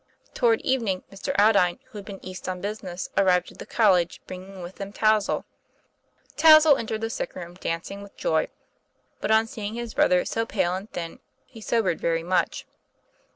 Toward evening Mr. Aldine, who had been East on business, arrived at the college, bringing with him Touzle. Touzle entered the sick room dancing with joy, but on seeing his brother so pale and thin he sobered very much.